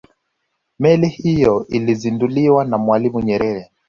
meli hiyo ilizinduliwa na mwalimu nyerere